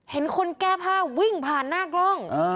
เห็นคนแก้ผ้าวิ่งผ่านหน้ากล้อง